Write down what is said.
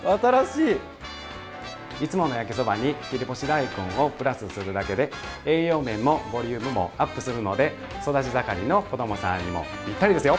いつもの焼きそばに切り干し大根をプラスするだけで栄養面もボリュームもアップするので育ち盛りの子どもさんにもぴったりですよ！